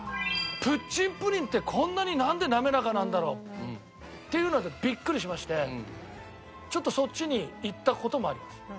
プッチンプリンってこんなになんで滑らかなんだろう？っていうのでビックリしましてちょっとそっちにいった事もあります。